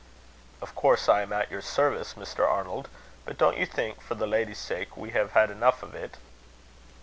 "Of course I am at your service, Mr. Arnold; but don't you think, for the ladies' sakes, we have had enough of it?"